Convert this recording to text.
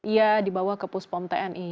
ia dibawa ke puspom tni